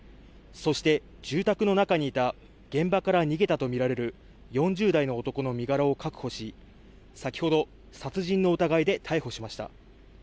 そして、住宅の中にいた現場から逃げたとみられる４０代の男の身柄を確保し先ほど殺人の疑いで逮捕しました。